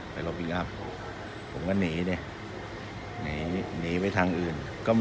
ไปรอบพิงอัพผมก็หนีเนี่ยหนีไว้ทางอื่น